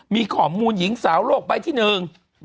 มีข่อมูลหญิงสาวโรคใบที่๑